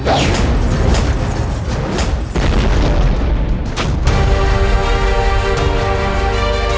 kupilang diam kau nimas